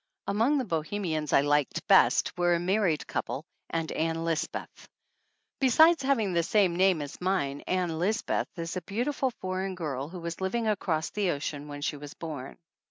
Among the Bohemians I liked best were a mar ried couple and Ann Lisbeth. Besides having the same name as mine, Ann Lisbeth is a beau tiful foreign girl who was living across the ocean when she was born.